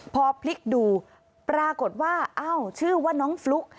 พอพลิกดูปรากฏว่าเอ้าชื่อว่าน้องฟลุ๊ก